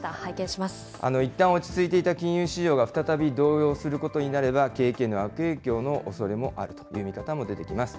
いったん落ち着いていた金融市場が再び動揺することになれば、景気への悪影響のおそれもあるという見方も出ています。